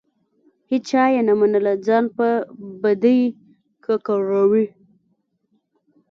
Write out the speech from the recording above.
هیچا یې نه منله؛ ځان په بدۍ ککړوي.